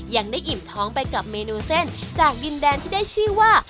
ยังได้อิ่มท้องไปกับเมนูเส้นจากดินแดนที่ได้ชื่อว่า